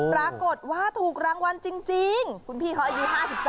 ปรากฏว่าถูกรางวัลจริงคุณพี่เขาอายุ๕๓